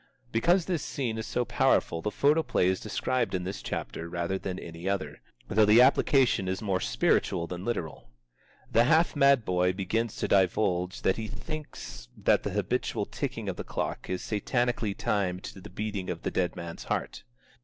Because this scene is so powerful the photoplay is described in this chapter rather than any other, though the application is more spiritual than literal. The half mad boy begins to divulge that he thinks that the habitual ticking of the clock is satanically timed to the beating of the dead man's heart.